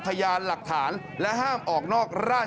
ก็ตอบได้คำเดียวนะครับ